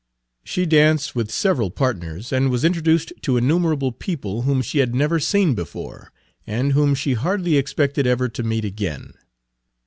She danced with several partners, and was introduced to innumerable people whom she had never seen before, and whom she hardly expected ever to meet again.